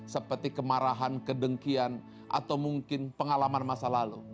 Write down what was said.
seperti kemarahan kedengkian atau mungkin pengalaman masa lalu